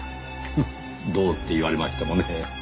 フフッどうって言われましてもねぇ。